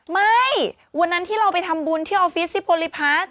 ไม่วันนั้นที่เราไปทำบุญที่ออฟฟิศซิโพลิพาส